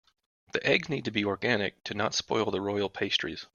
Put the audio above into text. The eggs need to be organic to not spoil the royal pastries.